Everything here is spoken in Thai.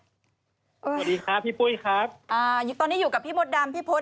สวัสดีครับพี่ปุ้ยครับอ่าตอนนี้อยู่กับพี่มดดำพี่พศ